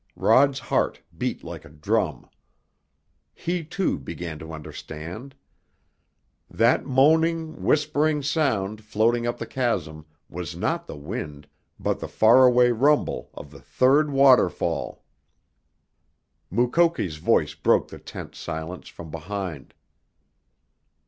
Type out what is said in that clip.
Rod's heart beat like a drum. He, too, began to understand. That moaning, whispering sound floating up the chasm was not the wind, but the far away rumble of the third waterfall! Mukoki's voice broke the tense silence from behind.